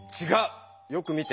よく見て。